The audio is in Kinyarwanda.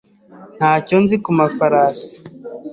Ntacyo nzi ku mafarasi.